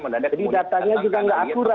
jadi datanya juga tidak akurat